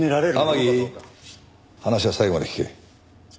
天樹話は最後まで聞け。